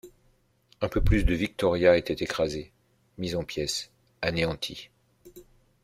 Un peu plus le Victoria était écrasé, mis en pièces, anéanti.